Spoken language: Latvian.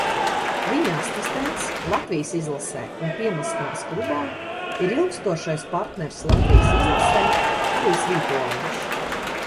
Viņa asistents Latvijas izlasē un Piemaskavas klubā ir ilgstošais partneris Latvijas izlasē Harijs Vītoliņš.